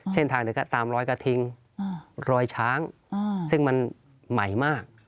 เส้นทางหนึ่งก็ตามรอยกระทิงรอยช้างซึ่งมันใหม่มาก